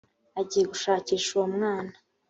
agiye gushakisha uwo mwana